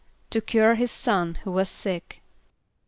=To cure his son, who was sick.